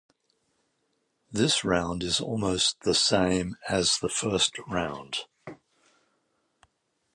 This round is almost the same as the first round.